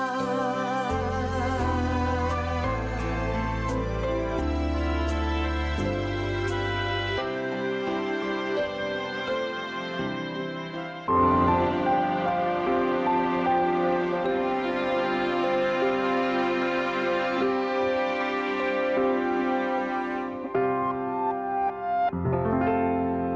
จริงจริงเพื่อทำให้พระราชาเป็นทางที่จริงที่สุข